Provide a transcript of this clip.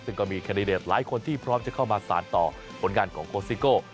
ซึ่งก็มีแคนดิเดตหลายคนที่พร้อมจะเข้ามาสารต่อผลงานของโคสิโก้